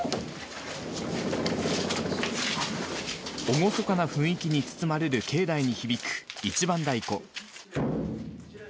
厳かな雰囲気に包まれる境内に響く一番太鼓。